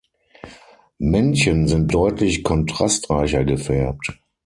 Männchen sind deutlich kontrastreicher gefärbt.